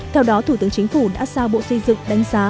theo đó thủ tướng chính phủ đã sao bộ xây dựng đánh giá